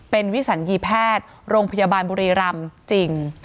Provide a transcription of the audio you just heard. เป็นวิสัญญีแพทย์โรงพยาบาลบุรีรำจริง